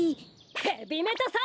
ヘビメタさ！